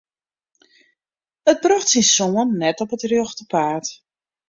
It brocht syn soan net op it rjochte paad.